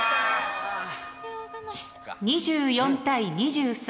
２４対２３。